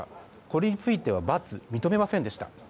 これについては×認めませんでした。